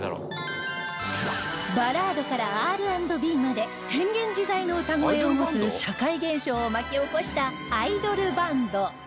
バラードから Ｒ＆Ｂ まで変幻自在の歌声を持つ社会現象を巻き起こしたアイドルバンド